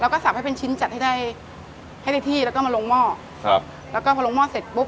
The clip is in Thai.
แล้วก็สับให้เป็นชิ้นจัดให้ได้ให้ได้ที่แล้วก็มาลงหม้อครับแล้วก็พอลงหม้อเสร็จปุ๊บ